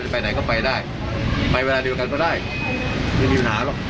ไปไหนก็ไปได้ไปเวลาเดียวกันก็ได้ไม่มีปัญหาหรอก